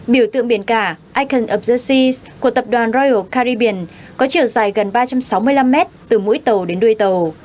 biểu tượng biển cả icon of the seas của tập đoàn royal caribbean có chiều dài gần ba trăm sáu mươi năm mét từ mũi tàu đến đuôi tàu